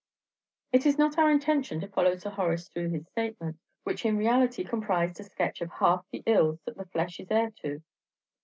It is not our intention to follow Sir Horace through his statement, which in reality comprised a sketch of half the ills that the flesh is heir to.